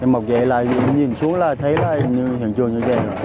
mọc dậy là nhìn xuống là thấy là hiện trường như vậy